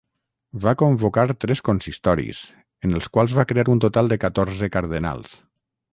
Va convocar tres consistoris, en els quals va crear un total de catorze cardenals.